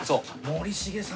森繁さん。